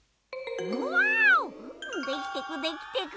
うわおできてくできてく。